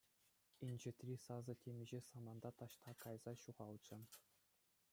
Инҫетри сасӑ темиҫе саманта таҫта кайса ҫухалчӗ.